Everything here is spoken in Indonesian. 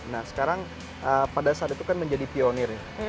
nah sekarang pada saat itu kan menjadi pionir